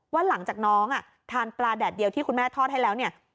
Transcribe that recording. ว่าหลังจากน้องทานปลาแดดเดียวที่คุณแม่ทอดให้แล้วเนี่ย